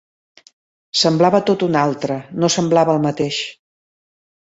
Semblava tot un altre, no semblava el mateix.